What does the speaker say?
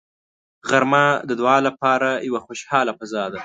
غرمه د دعا لپاره یوه خوشاله فضا ده